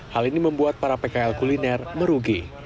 hal ini membuat para pkl kuliner merugi